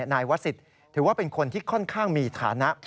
นายวศิษย์ถือว่าเป็นคนที่ค่อนข้างมีฐานะ